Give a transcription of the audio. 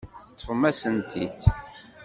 Teṭṭfem-asen-t-id.